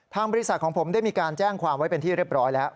บริษัทของผมได้มีการแจ้งความไว้เป็นที่เรียบร้อยแล้ว